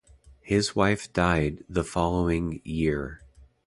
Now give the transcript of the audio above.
His wife died the following year.